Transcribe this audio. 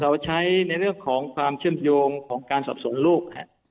เราใช้ในเรื่องของความเชื่อมโยงของการสอบสวนลูก